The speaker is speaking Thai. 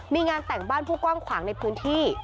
มีงานแต่งบ้านผู้กว้างขวางในพื้นที่